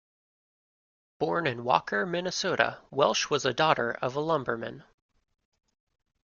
Born in Walker, Minnesota, Welsh was a daughter of a lumberman.